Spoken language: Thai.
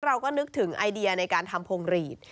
เราก็นึกถึงไอเดียในการทำพวงหลีด